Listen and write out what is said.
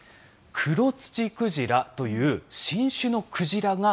クロツチクジラという新種のクジ